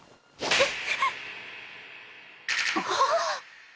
えっ。